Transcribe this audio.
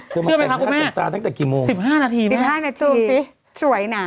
เชื่อไหมค่ะคุณแม่๑๕นาทีแม่สี๑๕นาทีสวยนะ